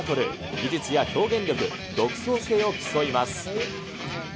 技術や表現力、独創性を競います。